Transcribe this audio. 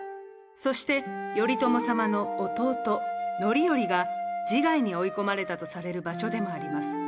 そして頼朝様の弟範頼が自害に追い込まれたとされる場所でもあります。